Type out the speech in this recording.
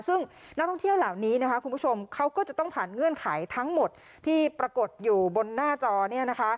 ซึ่งนักท่องเที่ยวเหล่านี้นะคะคุณผู้ชมเขาก็จะต้องผ่านเงื่อนไขทั้งหมดที่ปรากฏอยู่บนหน้าจอเนี่ยนะคะ